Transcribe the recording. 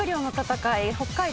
北海道。